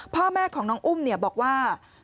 พ่อแม่ของน้องอุ้มบอกว่า